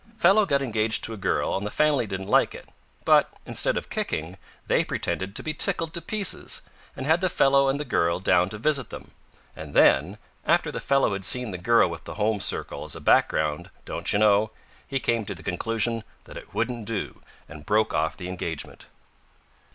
Fellow got engaged to a girl, and the family didn't like it, but, instead of kicking, they pretended to be tickled to pieces, and had the fellow and the girl down to visit them. And then, after the fellow had seen the girl with the home circle as a background, don't you know, he came to the conclusion that it wouldn't do, and broke off the engagement."